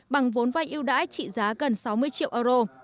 bằng vốn vay ưu đãi trị giá gần sáu mươi triệu euro